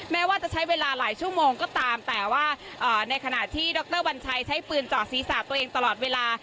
แม้ว่าจะใช้เวลาหลายชั่วโมงก็ตามแต่ว่าในขณะที่ดรวัญชัยใช้ปืนเจาะศีรษะตัวเองตลอดเวลา